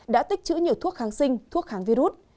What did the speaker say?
đã tích chữ nhiều thuốc kháng sinh thuốc kháng virus